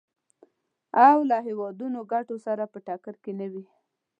او له هېوادنیو ګټو سره په ټکر کې نه وي.